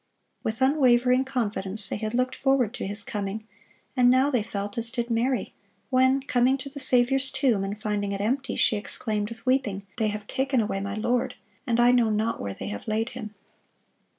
With unwavering confidence they had looked forward to His coming, and now they felt as did Mary, when, coming to the Saviour's tomb and finding it empty, she exclaimed with weeping, "They have taken away my Lord, and I know not where they have laid Him."